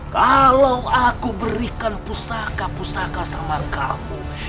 kalau aku berikan pusaka pusaka sama kamu